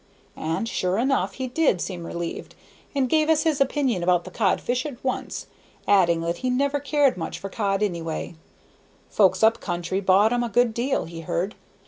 And sure enough he did seem relieved, and gave us his opinion about the codfish at once, adding that he never cared much for cod any way; folks up country bought 'em a good deal, he heard.